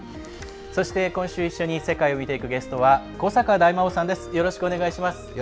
そして今週一緒に世界を見ていくゲストは古坂大魔王さんです。